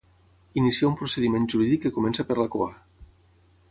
Iniciar un procediment jurídic que comença per la cua.